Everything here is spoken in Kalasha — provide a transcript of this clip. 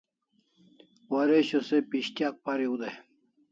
Waresho se pis'tyak pariu dai